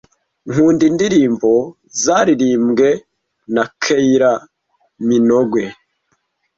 Nkunda indirimbo zaririmbwe na Kylie Minogue.